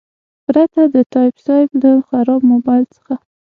پرته د تایب صیب له خراب موبایل څخه.